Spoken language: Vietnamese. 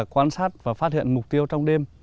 quan sát và phát hiện mục tiêu trong đêm